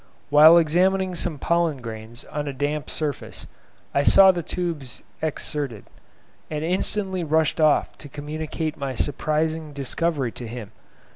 Whilst examining some pollen grains on a damp surface, I saw the tubes exserted, and instantly rushed off to communicate my surprising discovery to him.